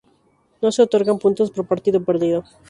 No se otorgan puntos por partido perdido.